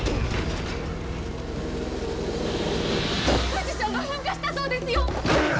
富士山が噴火したそうですよ。